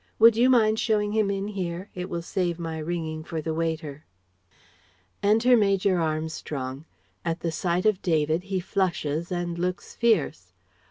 Would you mind showing him in here? It will save my ringing for the waiter." Enter Major Armstrong. At the sight of David he flushes and looks fierce.